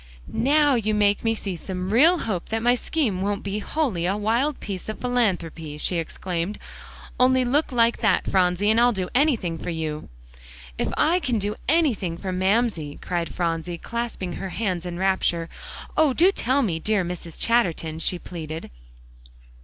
"Now you make me see some real hope that my scheme won't be wholly a wild piece of philanthropy," she exclaimed. "Only look like that, Phronsie, and I'll do anything for you." "If I can do anything for Mamsie," cried Phronsie, clasping her hands in rapture. "Oh! do tell me, dear Mrs. Chatterton," she pleaded.